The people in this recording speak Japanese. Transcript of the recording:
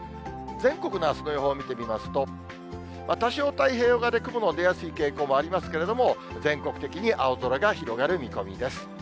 全国のあすの予報を見てみますと、多少太平洋側で雲の出やすい傾向もありますけれども、全国的に青空が広がる見込みです。